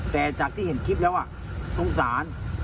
แต่จากที่เห็นคลิปแล้วสงสาร